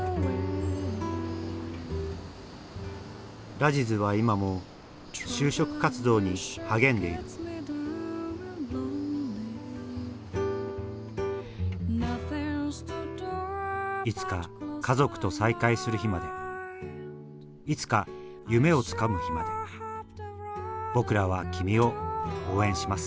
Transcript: ラジズは今も就職活動に励んでいるいつか家族と再会する日までいつか夢をつかむ日まで僕らは君を応援します